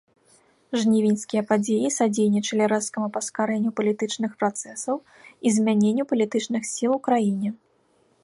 Жнівеньскія падзеі садзейнічалі рэзкаму паскарэнню палітычных працэсаў і змяненню палітычных сіл у краіне.